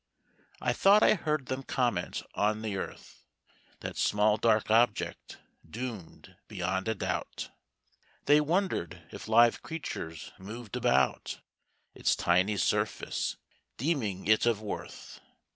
I thought I heard them comment on the earth That small dark object doomed beyond a doubt. They wondered if live creatures moved about Its tiny surface, deeming it of worth.